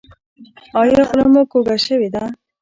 ایا خوله مو کوږه شوې ده؟